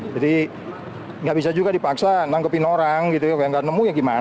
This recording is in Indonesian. jadi enggak bisa juga dipaksa menangkepin orang enggak nemu ya gimana